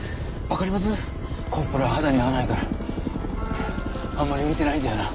コッポラは肌に合わないからあんまり見てないんだよな。